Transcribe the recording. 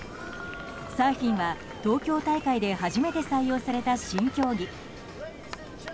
サーフィンは東京大会で初めて採用された新競技。